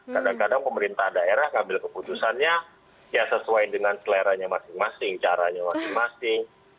kadang kadang pemerintah daerah ngambil keputusannya ya sesuai dengan seleranya masing masing caranya masing masing